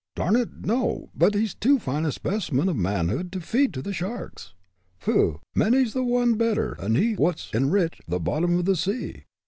"Darn it, no; but he's too fine a specimen of manhood to feed to the sharks." "Pooh! Many's the one better'n he wot's enriched the bottom o' the sea.